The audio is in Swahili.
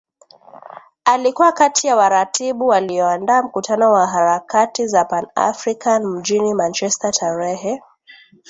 Alikuwa kati ya waratibu walioandaa mkutano wa harakati za PanAfrican mjini Manchester tarehe